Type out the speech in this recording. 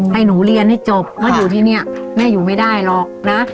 ให้หนูเรียนให้จบเพราะอยู่ที่นี่แม่อยู่ไม่ได้หรอกนะ